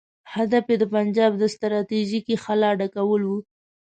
هدف یې د پنجاب د ستراتیژیکې خلا ډکول وو.